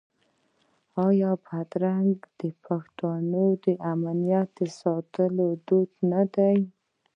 آیا بدرګه د پښتنو د امنیت ساتلو دود نه دی؟